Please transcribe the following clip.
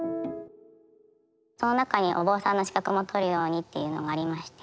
その中にお坊さんの資格も取るようにっていうのがありまして。